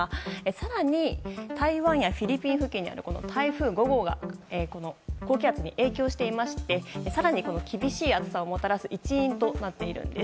更に台湾やフィリピン付近にある台風５号が高気圧に影響していまして更に厳しい暑さをもたらす一因となっているんです。